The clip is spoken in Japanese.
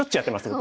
僕。